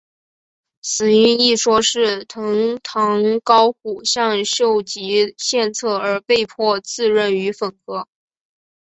死因一说是藤堂高虎向秀吉献策而被迫自刃于粉河。